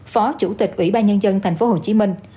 phó chủ tịch ủy ban nhân dân tp hcm